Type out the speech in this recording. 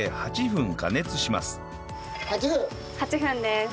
８分です。